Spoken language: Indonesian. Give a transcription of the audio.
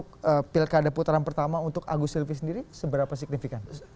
kalau kita lihat dari segi politik untuk pilkada putaran pertama untuk agus silpi sendiri seberapa signifikan